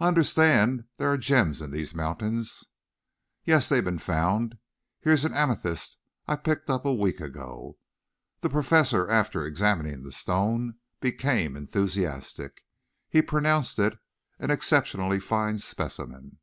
"I understand there are gems in these mountains." "Yes, they've been found. Here's an amethyst I picked up a week ago." The Professor, after examining the stone, became enthusiastic. He pronounced it an exceptionally fine specimen.